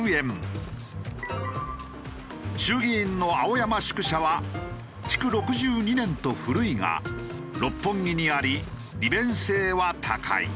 衆議院の青山宿舎は築６２年と古いが六本木にあり利便性は高い。